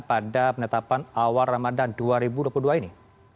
pada penetapan awal ramadan dua ribu dua puluh dua ini